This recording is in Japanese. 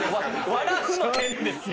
笑うの変ですよ。